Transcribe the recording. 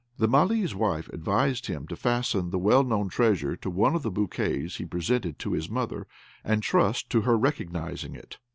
The Malee's wife advised him to fasten the well known treasure to one of the bouquets he presented to his mother, and trust to her recognising it.